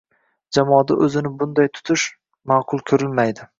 Jamoada o‘zini bunday tutish ma’qul ko‘rilmaydi!